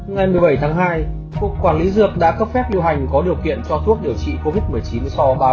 ngày một mươi bảy tháng hai cục quản lý dược đã cấp phép điều hành có điều kiện cho thuốc điều trị covid một mươi chín so với